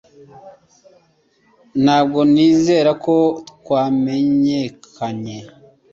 Ntabwo nizera ko twamenyekanye